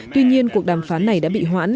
tuy nhiên cuộc đàm phán này đã bị hoãn